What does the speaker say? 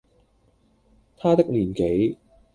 他的年紀，